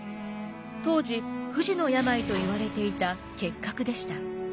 当時不治の病といわれていた結核でした。